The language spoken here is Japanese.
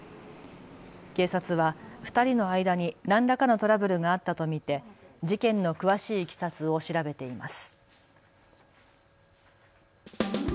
警察は２人の間に何らかのトラブルがあったと見て事件の詳しいいきさつを調べています。